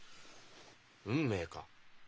「運命」か。